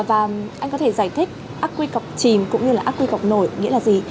anh có thể giải thích ác quy cọc chìm cũng như ác quy cọc nổi nghĩa là gì